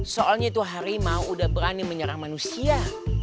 soalnya itu harimau sudah berani menyerang manusia